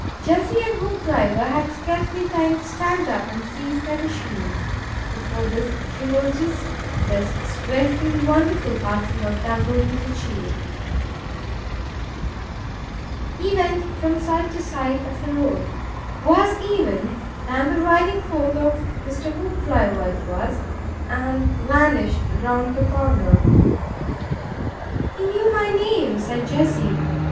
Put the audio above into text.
Jessie and Hoopdriver had scarcely time to stand up and seize their machines, before this tumultuous, this swift and wonderful passing of Dangle was achieved. He went from side to side of the road, worse even than the riding forth of Mr. Hoopdriver it was, and vanished round the corner. "He knew my name," said Jessie.